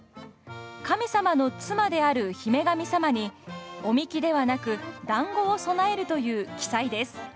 神様の妻である姫神様にお神酒ではなくだんごを供えるという奇祭です。